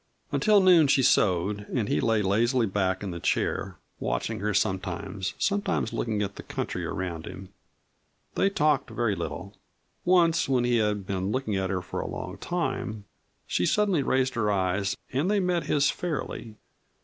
Until noon she sewed, and he lay lazily back in the chair, watching her sometimes, sometimes looking at the country around him. They talked very little. Once, when he had been looking at her for a long time, she suddenly raised her eyes and they met his fairly.